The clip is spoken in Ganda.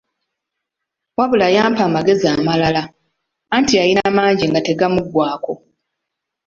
Wabula yampa amagezi amalala, anti yalina mangi nga tegamuggwaako.